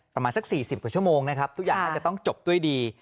ประมาณสัก๔๐กว่าชั่วโมงนะครับทุกอย่างน่าจะต้องจบด้วยดี